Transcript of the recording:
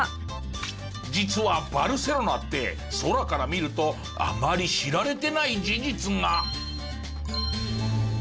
実はバルセロナって空から見るとあまり知られてない事実が。